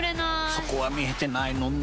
そこは見えてないのね。